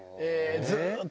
ずーっと？